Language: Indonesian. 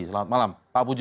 selamat malam pak pujo